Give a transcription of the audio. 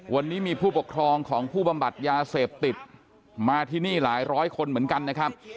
วันนี้มีผู้ปกครองของผู้บำบัดยาเสพติดมาที่นี่หลายร้อยคนเหมือนกันนะครับ